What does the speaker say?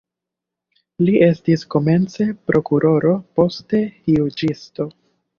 Li estis komence prokuroro, poste juĝisto.